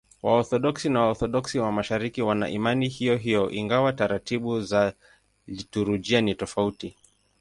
Waorthodoksi na Waorthodoksi wa Mashariki wana imani hiyohiyo, ingawa taratibu za liturujia ni tofauti.